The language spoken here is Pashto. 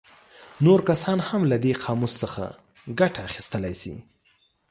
نور کسان هم له دې قاموس څخه ګټه اخیستلی شي.